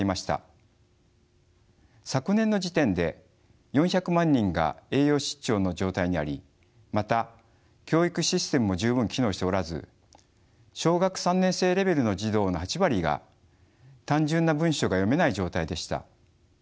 昨年の時点で４００万人が栄養失調の状態にありまた教育システムも十分機能しておらず小学３年生レベルの児童の８割が単純な文章が読めない状態でした。